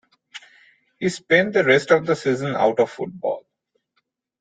He spent the rest of the season out of football.